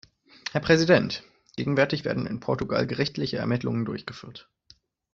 Herr Präsident! Gegenwärtig werden in Portugal gerichtliche Ermittlungen durchgeführt.